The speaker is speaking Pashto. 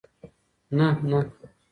نه ، نه